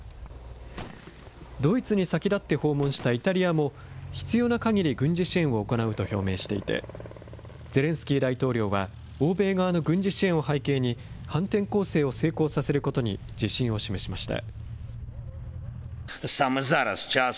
ドイツに先立って訪問したイタリアも、必要なかぎり軍事支援を行うと表明していて、ゼレンスキー大統領は、欧米側の軍事支援を背景に、反転攻勢を成功させることに自信を示しました。